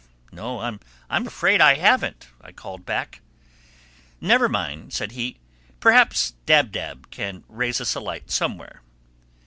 "No, I'm afraid I haven't," I called back. "Never mind," said he. "Perhaps Dab Dab can raise us a light somewhere."